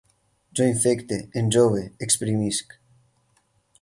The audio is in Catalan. Jo infecte, enjove, exprimisc